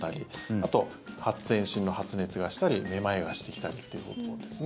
あと、全身の発熱がしたりめまいがしてきたりということですね。